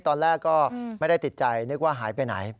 ตอนแรกก็ไม่ได้ติดใจนึกว่าหายไปไหน